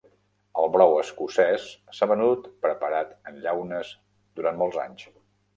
El brou escocès s'ha venut preparat en llaunes durant molts anys.